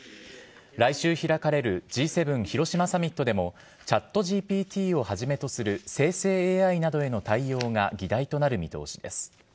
来週開かれるＧ７広島サミットでもＣｈａｔＧＰＴをはじめとする生成ＡＩなどへの対応が議題となる見通しです。